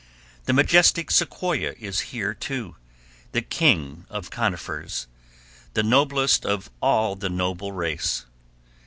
The majestic Sequoia is here, too, the king of conifers, the noblest of all the noble race.